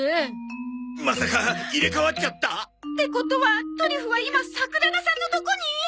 まさか入れ替わっちゃった？ってことはトリュフは今桜田さんのとこに？